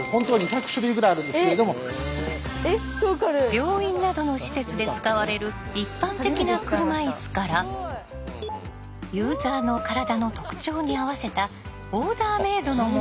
病院などの施設で使われる一般的な車いすからユーザーの体の特徴に合わせたオーダーメードのものまで。